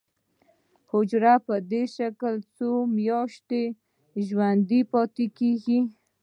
حجره په دې شکل څو میاشتې ژوندی پاتې کیږي.